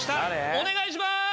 お願いします！